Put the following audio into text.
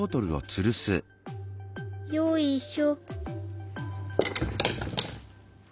よいしょ。